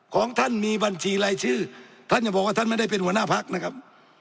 ของท่านมีบัญชีรายชื่อท่านจะบอกว่าท่านไม่ได้เป็นหัวหน้าพักนะครับ